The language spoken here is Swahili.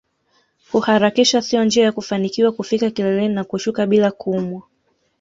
Kuharakisha sio njia ya kufanikiwa kufika kileleni na kushuka bila kuumwa